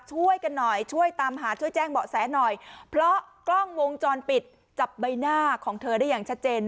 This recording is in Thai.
ช่วยกันหน่อยช่วยตามหาช่วยแจ้งเบาะแสหน่อยเพราะกล้องวงจรปิดจับใบหน้าของเธอได้อย่างชัดเจน